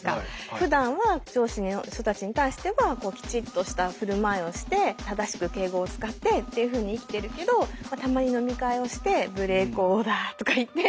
ふだんは上司の人たちに対してはきちっとした振る舞いをして正しく敬語を使ってっていうふうに生きてるけどたまに飲み会をして「無礼講だ」とか言ってはめを外すっていうことをすると何かもう一回